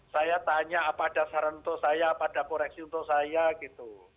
saya tanya apa ada saran untuk saya apa ada koreksi untuk saya gitu